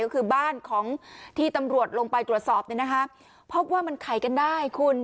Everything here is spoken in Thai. ก็คือบ้านของที่ตำรวจลงไปตรวจสอบเนี่ยนะคะพบว่ามันไขกันได้คุณ